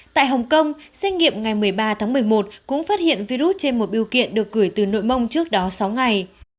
tại hồng kông xét nghiệm ngày một mươi ba tháng một mươi một cũng phát hiện virus trên một biêu kiện được gửi từ nội mông trước đó sáu ngày